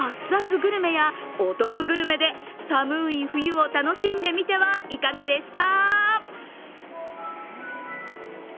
グルメやお得グルメで、寒い冬を楽しんでみてはいかがですか？